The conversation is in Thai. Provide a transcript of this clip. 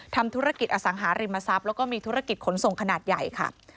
ทำธุรกิจอสังหาริมทรัพย์แล้วก็มีธุรกิจขนส่งขนาดใหญ่ค่ะ